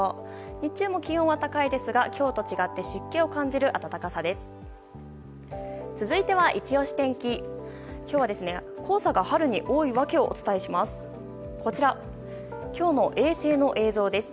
日中も気温は高いですが今日とは違って湿気を感じる暖かさです。